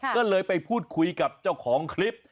ก็เลยไปพูดคุยกับเจ้าของคลิป